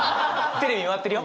テレビ回ってるよ。